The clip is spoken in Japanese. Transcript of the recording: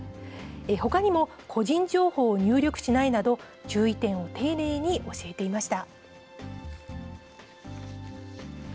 ほかにも個人情報を入力しないなど、注意点を丁寧に教えていました。